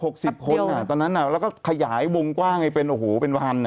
๕๐๖๐คนตอนนั้นแล้วก็ขยายวงกว้างเป็นวัน